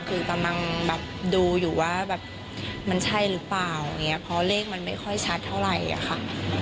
คือกำลังแบบดูอยู่ว่าแบบมันใช่หรือเปล่าอย่างเงี้ยเพราะเลขมันไม่ค่อยชัดเท่าไหร่อะค่ะ